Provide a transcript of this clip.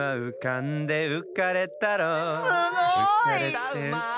うたうまい！